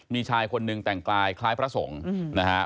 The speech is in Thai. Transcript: มีชายคนหนึ่งแต่งกายคล้ายพระสงฆ์นะฮะ